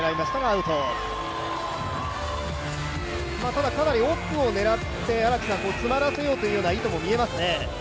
ただ、かなり奥を狙って詰まらせようというような意図も見えますね。